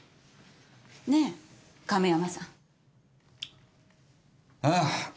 ねえ亀山さん？ああ。